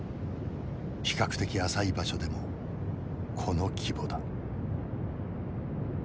比較的浅い場所でもこの規模だ。